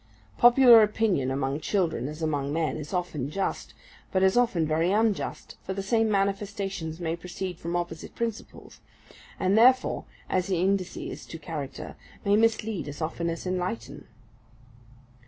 Popular opinion among children, as among men, is of ten just, but as often very unjust; for the same manifestations may proceed from opposite principles; and, therefore, as indices to character, may mislead as often as enlighten.